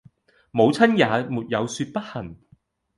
母親也沒有説不行。